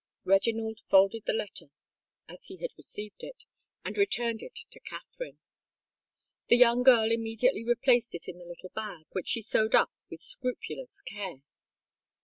Reginald folded the letter as he had received it, and returned it to Katherine. The young girl immediately replaced it in the little bag, which she sewed up with scrupulous care.